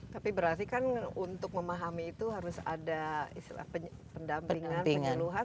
tapi berarti kan untuk memahami itu harus ada istilah pendampingan penyeluhan